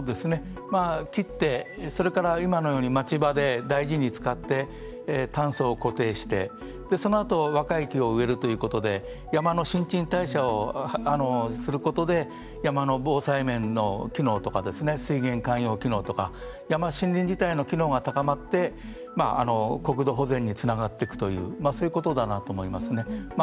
切ってそれから今のように町場で大事に使って炭素を固定してそのあと若い木を植えるということで山の新陳代謝をすることで山の防災面の機能とか水源かんよう機能とか山の機能が高まって国土保全につながっていくということだと思います。